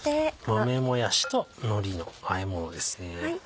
豆もやしとのりのあえものですね。